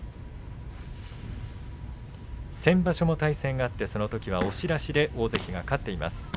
先場所も対戦があってそのときは押し出しで大関が勝っています。